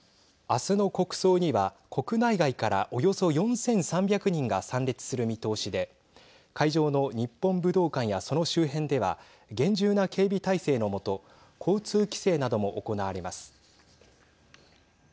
明日の国葬には国内外から、およそ４３００人が参列する見通しで会場の日本武道館やその周辺では厳重な警備態勢の下交通規制なども行われます。